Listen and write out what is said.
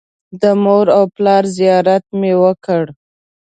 د مور او پلار زیارت مې وکړ.